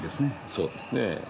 そうですねぇ。